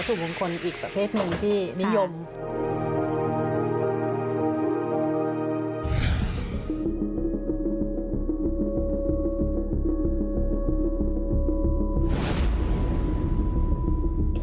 เป็นวัตถุมงคลอีกประเภทนึงที่นิยมค่ะ